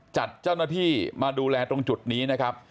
จัดเจ้าหน้าที่มาดูแลตรงจุดนี้นะครับ